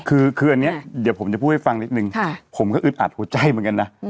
คือคืออันนี้เดี๋ยวผมจะพูดให้ฟังนิดนึงผมก็อึดอัดหัวใจเหมือนกันนะ